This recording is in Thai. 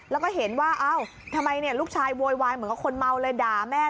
แล้วก็เห็นว่าเอ้าทำไมลูกชายโวยวายเหมือนกับคนเมาเลยด่าแม่